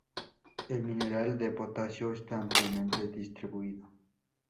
El mineral de potasio está ampliamente distribuido.